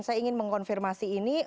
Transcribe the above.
saya ingin mengkonfirmasi ini